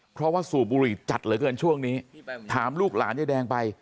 เพราะว่าสูบบุหรี่จัดเหลือเกินช่วงนี้ถามลูกหลานยายแดงไป